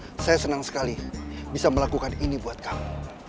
saya senang sekali bisa melakukan ini buat kamu